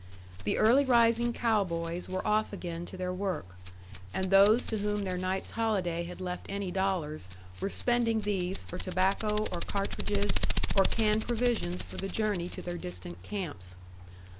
The early rising cow boys were off again to their work; and those to whom their night's holiday had left any dollars were spending these for tobacco, or cartridges, or canned provisions for the journey to their distant camps.